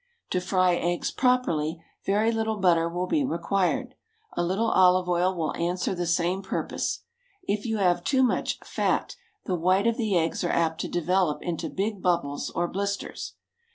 To fry eggs properly, very little butter will be required; a little olive oil will answer the same purpose. If you have too much "fat," the white of the eggs are apt to develop into big bubbles or blisters.